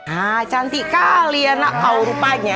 nah cantik kali ya anak kau rupanya